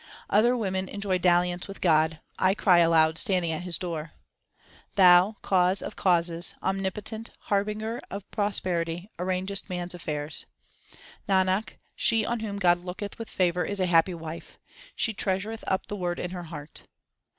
Other women enjoy dalliance with God ; I cry aloud standing at His door. Thou, Cause of causes, Omnipotent, Harbinger of pros perity, arranges! man s affairs. Nanak, she on whom God looketh with favour is a happy wife ; she treasureth up the Word in her heart.